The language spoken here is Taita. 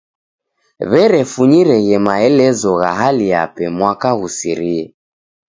W'erefunyireghe maelezo gha hali yape mwaka ghusirie.